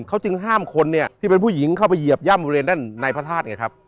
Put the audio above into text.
เค้าจึงห้ามคนที่เป็นผู้หญิงเข้าไปเหยียบย่ำเวรนั่นในพระธาตุไงครับ